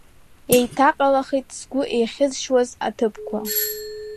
Иеиҭаҟалахит сгәы еихьызшьуаз аҭыԥқәа.